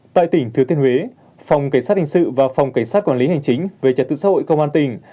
tại tỉnh thứa tiên huế phòng cảnh sát hình sự và phòng cảnh sát quản lý hành chính về trạng tự xã hội công an tỉnh